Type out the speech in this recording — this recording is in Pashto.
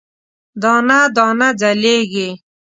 دانه، دانه ځلیږې